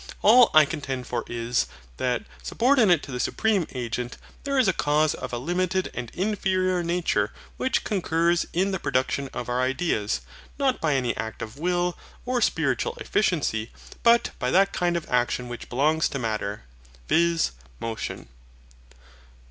All I contend for is, that, subordinate to the Supreme Agent, there is a cause of a limited and inferior nature, which CONCURS in the production of our ideas, not by any act of will, or spiritual efficiency, but by that kind of action which belongs to Matter, viz. MOTION.